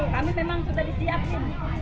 kami memang sudah disiapkan